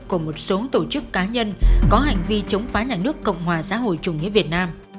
của một số tổ chức cá nhân có hành vi chống phá nhà nước cộng hòa xã hội chủ nghĩa việt nam